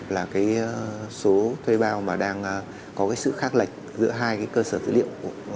là cái số thuê bao mà đang có sự khác lệch giữa hai cơ sở dữ liệu